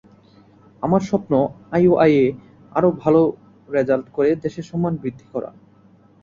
আমার স্বপ্ন আইওআইয়ে আরও ভালো রেজাল্ট করে দেশের সম্মান বৃদ্ধি করার।